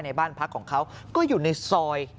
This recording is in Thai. บ้านพักของเขาก็อยู่ในซอย